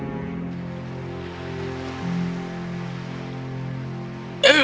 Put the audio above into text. kau menderita penyakit mistik yang aneh